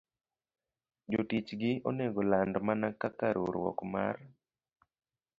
Jotichgi onego land mana kaka riwruok mar